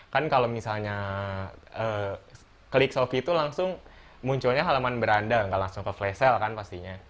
kan kalau misalnya klik soki itu langsung munculnya halaman beranda nggak langsung ke flash sale kan pastinya